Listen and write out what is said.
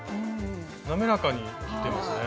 滑らかに切ってますね。